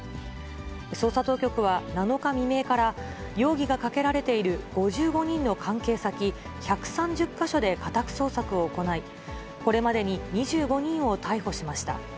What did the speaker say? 捜査当局は７日未明から、容疑がかけられている５５人の関係先、１３０か所で家宅捜索を行い、これまでに２５人を逮捕しました。